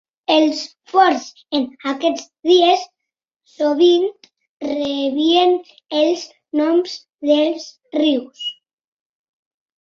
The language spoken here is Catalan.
Els forts, en aquests dies, sovint rebien els noms dels rius.